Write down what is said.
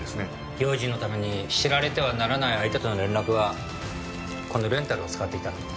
用心のために知られてはならない相手との連絡はこのレンタルを使っていた。